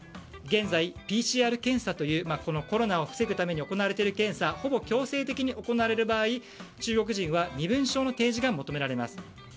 現在、ＰＣＲ検査というコロナを防ぐために行われている検査、ほぼ強制的に行われる場合中国人は身分証の提示が求められます。